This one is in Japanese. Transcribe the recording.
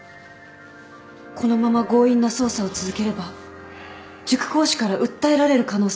このまま強引な捜査を続ければ塾講師から訴えられる可能性もあります。